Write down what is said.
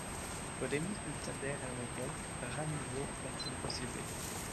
podemos encender el motor. ramiro, es imposible .